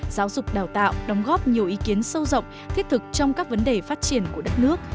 giáo dục đào tạo đóng góp nhiều ý kiến sâu rộng thiết thực trong các vấn đề phát triển của đất nước